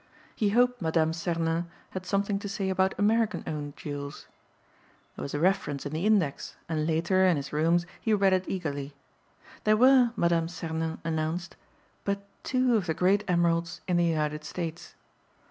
He hoped Madame Sernin had something to say about American owned jewels. There was a reference in the index and later, in his rooms, he read it eagerly. There were, Mme. Sernin announced, but two of the great emeralds in the United States.